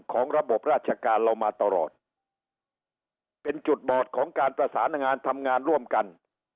ของระบบราชการเรามาตลอดเป็นจุดบอดของการประสานงานทำงานร่วมกัน